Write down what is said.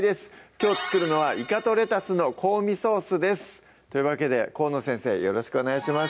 きょう作るのは「いかとレタスの香味ソース」ですというわけで河野先生よろしくお願いします